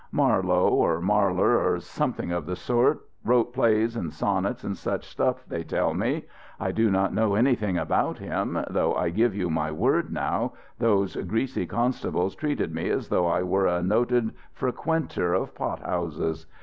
"Marlowe or Marler, or something of the sort wrote plays and sonnets and such stuff, they tell me. I do not know anything about him though, I give you my word now, those greasy constables treated me as though I were a noted frequenter of pot houses.